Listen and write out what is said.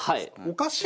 おかしい。